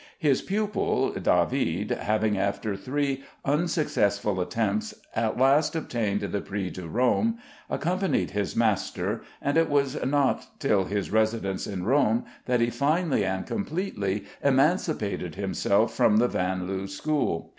His pupil, David, having after three unsuccessful attempts at last obtained the prix de Rome, accompanied his master, and it was not till his residence in Rome that he finally and completely emancipated himself from the Vanloo school.